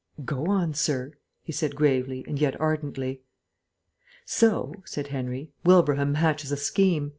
"Go on, sir," he said gravely and yet ardently. "So," said Henry, "Wilbraham hatches a scheme.